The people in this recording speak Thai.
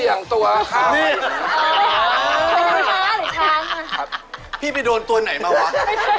แล้วเราก็เวียงตัวค้างหนึ่ง